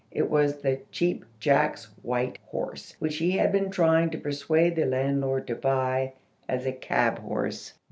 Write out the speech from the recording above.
It was the Cheap Jack's white horse, which he had been trying to persuade the landlord to buy as a cab horse.